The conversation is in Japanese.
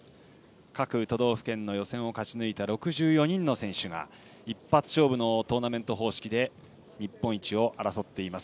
各都道府県の予選を勝ち抜いた６４人の選手が一発勝負のトーナメント方式で日本一を争っています。